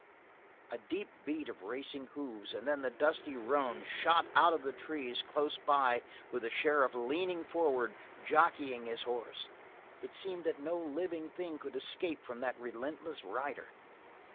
A deep beat of racing hoofs, and then the dusty roan shot out of the trees close by with the sheriff leaning forward, jockeying his horse. It seemed that no living thing could escape from that relentless rider.